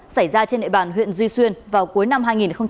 xảy ra trên địa bàn huyện duy xuyên vào cuối năm hai nghìn một mươi tám